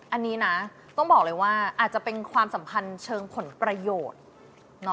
อันนี้นะต้องบอกเลยว่าอาจจะเป็นความสัมพันธ์เชิงผลประโยชน์